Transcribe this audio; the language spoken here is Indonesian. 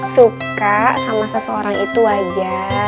suka sama seseorang itu aja